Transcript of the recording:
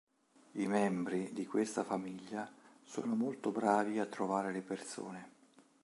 I membri di questa famiglia sono molto bravi a trovare le persone.